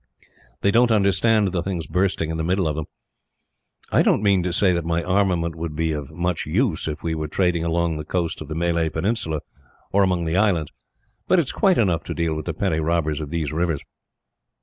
They don't understand the things bursting in the middle of them. I don't mean to say that my armament would be of much use, if we were trading along the coast of the Malay Peninsula or among the Islands, but it is quite enough to deal with the petty robbers of these rivers."